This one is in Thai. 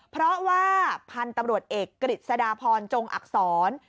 เพราะว่าพันธุ์ตำรวจเอกกฤษฎาพรจงอักษร